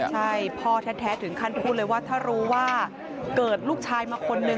ใช่พ่อแท้ถึงขั้นพูดเลยว่าถ้ารู้ว่าเกิดลูกชายมาคนนึง